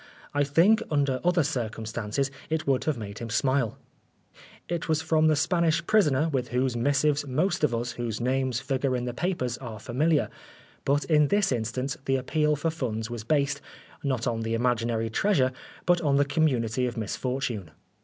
I think, under other cir cumstances, it would have made him smile. It was from the Spanish prisoner with whose missives most of us whose names figure in the papers are familiar, but in this instance the appeal for funds was based, not on the imaginary treasure, but on the community of misfortune.